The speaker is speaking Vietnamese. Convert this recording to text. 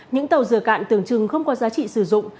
những tàu dừa cạn tưởng chừng không có giá trị sử dụng